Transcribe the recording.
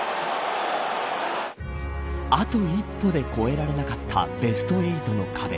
あと一歩で越えられなかったベスト８の壁。